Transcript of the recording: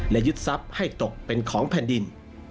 และยึดทรัพย์ให้ตกเป็นของแผ่นดิน